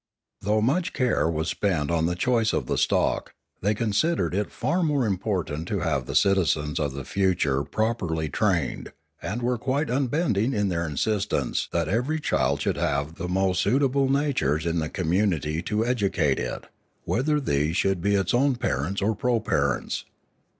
Though so much care was spent on the choice of the stock, they considered it far more important to have the citizens of the future properly trained, and were quite unbending in their insistence that every child should have the most suitable natures in the commun ity to educate it, whether these should be its own parents or proparents.